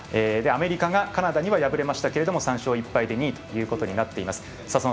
アメリカがカナダに敗れましたが３勝１敗で２位ということになっています。